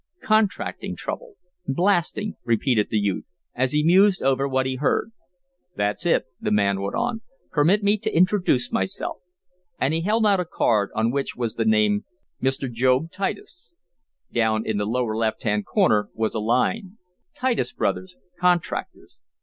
"Contracting trouble blasting," repeated the youth, as he mused over what he had heard. "That's it," the man went on. "Permit me to introduce myself" and he held out a card, on which was the name MR. JOB TITUS Down in the lower left hand corner was a line: "Titus Brothers, Contractors."